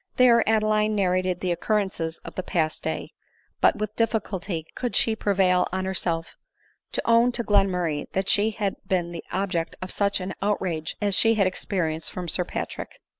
There Adeline narrated the occurrences of the past day ; but with difficulty could she prevail on herself to own to Glenmurray that she had been the object of of such an outrage as she had experienced from Sir Patrick.